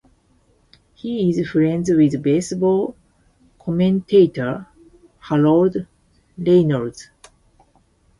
He is friends with baseball commentator Harold Reynolds.